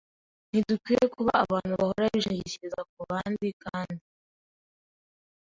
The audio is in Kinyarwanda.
Ntidukwiriye kuba abantu bahora bishingikiriza ku bandi kandi